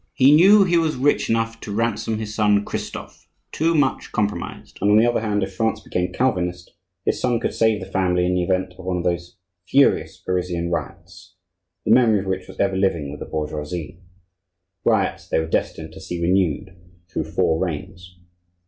He knew he was rich enough to ransom his son if Christophe was too much compromised; and on the other hand if France became Calvinist his son could save the family in the event of one of those furious Parisian riots, the memory of which was ever living with the bourgeoisie,—riots they were destined to see renewed through four reigns.